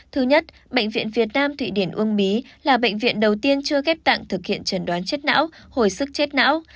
thứ nhất bệnh viện việt nam thụy điển uông bí là bệnh viện đầu tiên chưa ghép tạng thực hiện trần đoán chết não hồi sức chết não